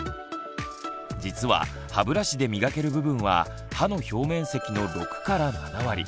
実は歯ブラシで磨ける部分は歯の表面積の６７割。